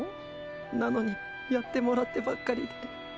なのにやってもらってばっかりで。